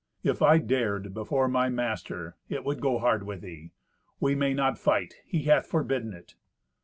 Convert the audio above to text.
If I dared before my master, it would go hard with thee. We may not fight; he hath forbidden it."